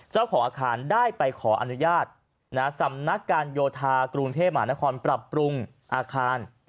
เจ้าของอาคารได้ไปขออนุญาตสำนักการโยธากรุงเทพมหานครปรับปรุงอาคาร